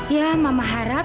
ya mama harap